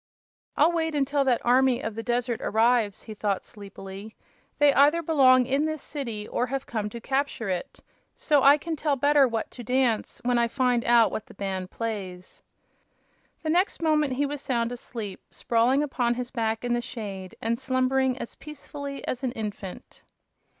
"I'll wait until that army of the desert arrives," he thought, sleepily. "They either belong in this city or have come to capture it, so I can tell better what to dance when I find out what the band plays." The next moment he was sound asleep, sprawling upon his back in the shade and slumbering as peacefully as an infant.